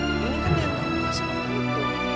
bukannya kamu sudah berubah